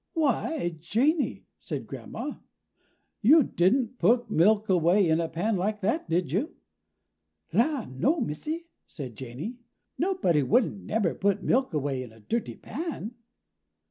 "Why, Janey," said Grandma, "you didn't put milk away in a pan like that, did you?" "La, no, Missy," said Janey, "nobody wouldn't nebber put milk away in a dirty pan."